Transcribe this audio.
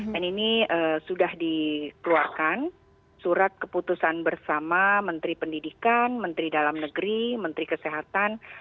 dan ini sudah dikeluarkan surat keputusan bersama menteri pendidikan menteri dalam negeri menteri kesehatan